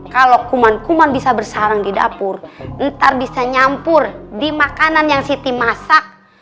kalau kuman kuman bisa bersarang di dapur ntar bisa nyampur di makanan yang siti masak